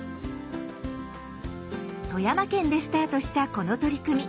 富山県でスタートしたこの取り組み。